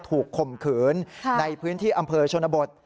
ข่มขืนในพื้นที่อำเภอชนบท